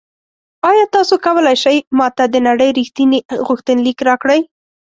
ایا تاسو کولی شئ ما ته د نړۍ ریښتیني غوښتنلیک راکړئ؟